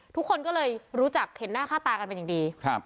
ทุกคนก็เลยรู้จักเห็นหน้าค่าตากันเป็นอย่างดีครับ